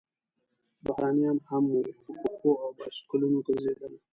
بهرنیان هم وو، په پښو او بایسکلونو ګرځېدل.